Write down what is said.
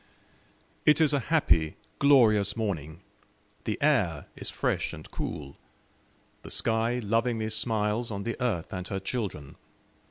It is a happy, glorious morning. The air is fresh and cool. The sky lovingly smiles on the earth and her children.